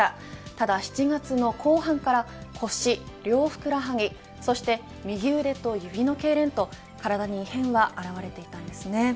ただ７月の後半から腰、両ふくらはぎそして右腕と指のけいれんと体に異変が現れていたんですね。